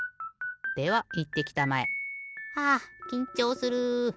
ではいってきたまえ。はあきんちょうする。